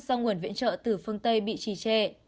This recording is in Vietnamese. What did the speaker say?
do nguồn viện trợ từ phương tây bị trì trệ